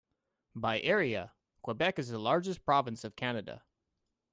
By area, Quebec is the largest province of Canada.